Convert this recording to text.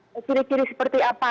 nah ciri ciri seperti apa